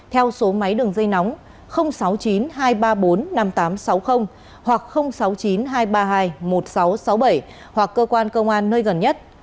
theo số máy đường dây nóng sáu mươi chín hai trăm ba mươi bốn năm nghìn tám trăm sáu mươi hoặc sáu mươi chín hai trăm ba mươi hai một nghìn sáu trăm sáu mươi bảy hoặc cơ quan công an nơi gần nhất